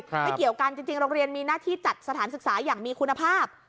ไม่เกี่ยวกันจริงโรงเรียนมีหน้าที่จัดสถานศึกษาอย่างมีคุณภาพ